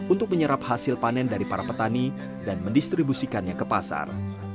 untuk menyerap hasil panen dari para petani dan mendistribusikannya ke pasar